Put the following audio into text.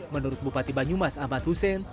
menurut bupati banyumas ahmad hussein